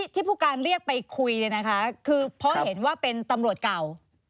ที่ผู้การเรียกไปคุยเนี่ยนะคะคือเพราะเห็นว่าเป็นตำรวจเก่า